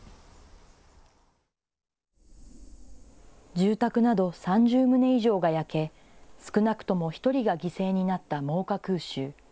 住宅など３０棟以上が焼け少なくとも１人が犠牲になった真岡空襲。